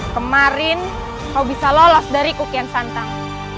kemarin kau bisa lolos dari kokian santang